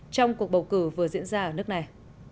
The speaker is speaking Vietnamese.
trong cuộc bầu cử vừa diễn ra ở nước này